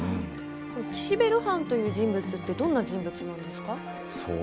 岸辺露伴という人物はどんな人物なんですか？